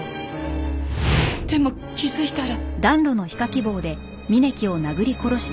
でも気づいたら。